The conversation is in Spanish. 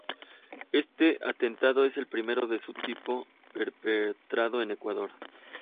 Este atentado es el primero de su tipo perpetrado en Ecuador.